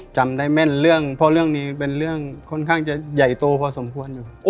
จำได้แม่นเรื่องเพราะเรื่องนี้เป็นเรื่องค่อนข้างจะใหญ่โตพอสมควรอยู่